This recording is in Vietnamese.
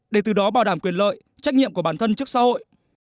để từ đó bảo đảm quyền lợi trách nhiệm của bản thân trước xã hội